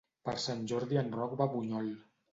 Per Sant Jordi en Roc va a Bunyol.